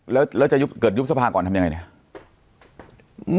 แล้วจะเกิดยุบสภาก่อนทำยังไงเนี่ย